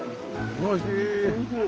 おいしい。